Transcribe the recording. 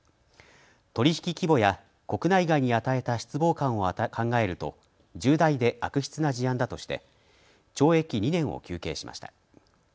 取り引き規模や国内外に与えた失望感を考えると重大で悪質な事案だとして懲役２年を求刑しました。